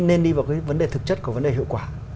nên đi vào cái vấn đề thực chất của vấn đề hiệu quả